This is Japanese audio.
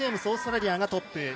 オーストラリアがトップ。